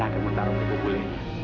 dimana kau menaruh kerbobolek